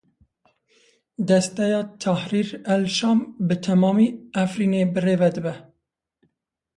Desteya Tehrîr el-Şam bi temamî Efrînê birêve dibe.